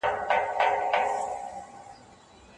ايا حضوري ټولګي د زده کړې عملی تجربه زیاتوي؟